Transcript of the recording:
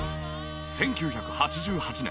１９８８年